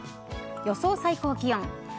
予想最高気温。